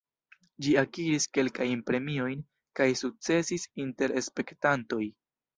Ĝi akiris kelkajn premiojn kaj sukcesis inter spektantoj.